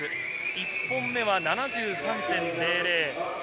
１本目は７３．００。